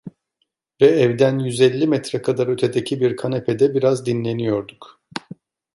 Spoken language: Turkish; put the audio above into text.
Ve evden yüz elli metre kadar ötedeki bir kanepede biraz dinleniyorduk.